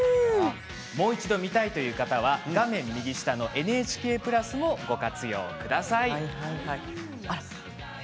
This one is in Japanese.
もう一度見たいという方は画面右下のＮＨＫプラスをご活用ください。